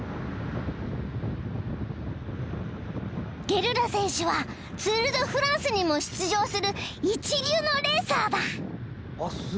［ゲルラ選手はツール・ド・フランスにも出場する一流のレーサーだ］